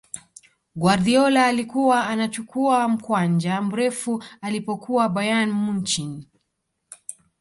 guardiola alikuwa anachukua mkwanja mrefu alipokuwa bayern munich